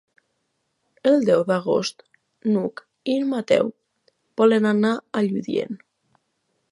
El deu d'agost n'Hug i en Mateu volen anar a Lludient.